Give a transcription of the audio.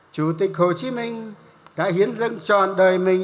chủ tịch hồ chí minh đã hiến dâng tròn đời mình